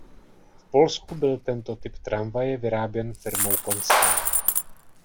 V Polsku byl tento typ tramvaje vyráběn firmou Konstal.